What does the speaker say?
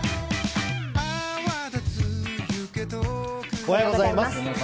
おはようございます。